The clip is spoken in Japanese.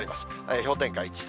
氷点下１度。